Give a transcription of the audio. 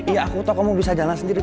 iya aku tau kamu bisa jalan sendiri